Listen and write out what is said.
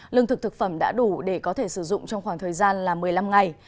lương thực thực phẩm đã đủ để có thể sử dụng trong khoảng thời gian là một mươi năm ngày